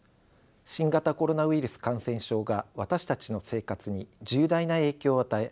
新型コロナウイルス感染症が私たちの生活に重大な影響を与え